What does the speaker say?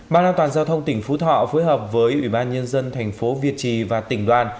ban an toàn giao thông tỉnh phú thọ phối hợp với ủy ban nhân dân thành phố việt trì và tỉnh đoàn